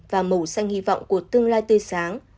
và màu xanh hy vọng của tương lai tươi sáng